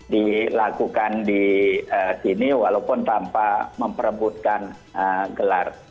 dilakukan di sini walaupun tanpa memperebutkan gelar